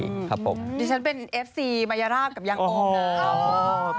ดิฉันเป็นเอฟซีมายาราบยางโอม